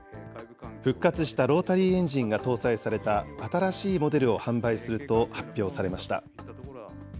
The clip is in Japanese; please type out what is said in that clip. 復活したロータリーエンジンが搭載された新しいモデルを販売すると発表されました。